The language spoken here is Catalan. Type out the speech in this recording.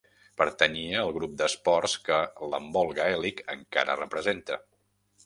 Pertanyia al grup d'esports que l'handbol gaèlic encara representa.